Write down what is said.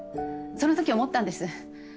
そのとき思ったんです。